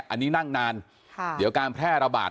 อันนี้นั่งนานเดี๋ยวการแพร่ระบาด